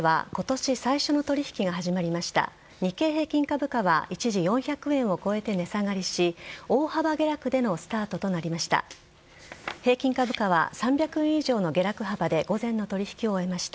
日経平均株価は一時４００円を超えて値下がりし大幅下落でのスタートとなりました。